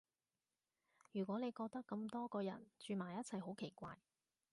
如果你覺得咁多個人住埋一齊好奇怪